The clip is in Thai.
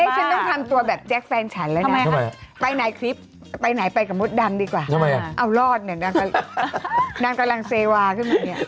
ฉันต้องทำตัวแบบแจ๊คแฟนฉันแล้วนะไปไหนคลิปไปไหนไปกับมดดำดีกว่าเอารอดเนี่ยนางก็นางกำลังเซวาขึ้นมาเนี่ย